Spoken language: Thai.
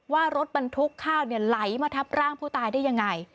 ว่ารถบรรทุกข้าวไหลมาทับร่างผู้ตายได้ยังไง